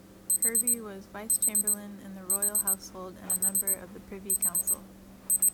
Hervey was vice-chamberlain in the royal household and a member of the Privy Council.